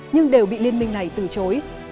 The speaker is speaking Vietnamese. nhưng đều bị liên minh này từ chối